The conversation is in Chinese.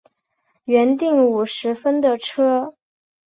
原订五十分的车